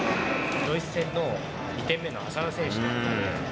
ドイツ戦の２点目の浅野選手。